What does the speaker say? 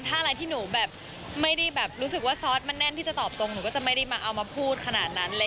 ถ้าอะไรที่หนูแบบไม่ได้แบบรู้สึกว่าซอสมันแน่นที่จะตอบตรงหนูก็จะไม่ได้มาเอามาพูดขนาดนั้นเลย